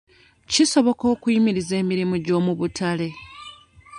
Kisoboka okuyimiriza emirimu gy'omu butale?